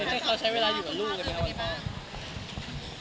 ที่เขาใช้เวลาอยู่กับลูกนะบางทีบ้าง